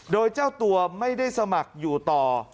โดยเจ้าตัวไม่ได้สมัครอยู่ต่อ